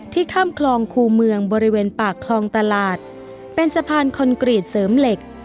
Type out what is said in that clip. ข้ามคลองคู่เมืองบริเวณปากคลองตลาดเป็นสะพานคอนกรีตเสริมเหล็ก